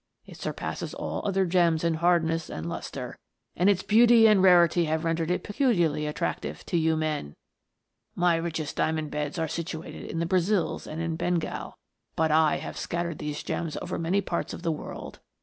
It surpasses all other gems in hardness and lustre, and its beauty and rarity have rendered it peculiarly attractive to you men. My richest diamond beds are situated in the Brazils and in Bengal, but I have scattered these gems over many parts of the world.